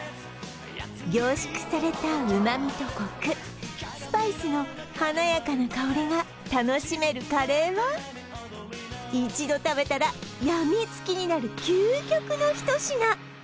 凝縮された旨みとコクスパイスの華やかな香りが楽しめるカレーは一度食べたらやみつきになる究極の一品！